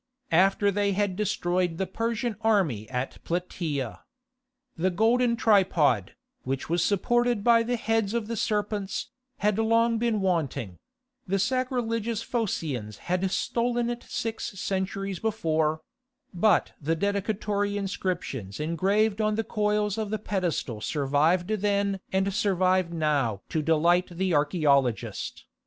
after they had destroyed the Persian army at Platæa. The golden tripod, which was supported by the heads of the serpents, had long been wanting: the sacrilegious Phocians had stolen it six centuries before; but the dedicatory inscriptions engraved on the coils of the pedestal survived then and survive now to delight the archæologist.